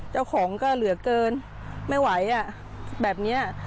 เจ้าของก็เหลือเกินไม่ไหวอ่ะแบบนี้